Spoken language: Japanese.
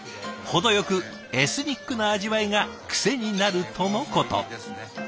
程よくエスニックな味わいが癖になるとのこと。